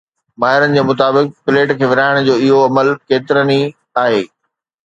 ماهرن جي مطابق، پليٽ کي ورهائڻ جو اهو عمل ڪيترن ئي آهي